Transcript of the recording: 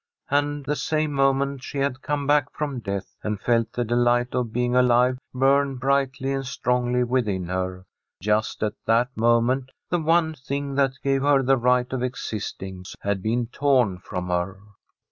And the same moment she had come back from death, and felt the delight of being alive burn brightly and strongly within her, just at that moment the one thing that gave her the right of existing had been torn from her.